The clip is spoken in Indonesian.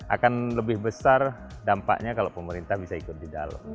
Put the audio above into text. akan lebih besar dampaknya kalau pemerintah bisa ikut di dalam